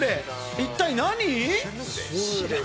一体何？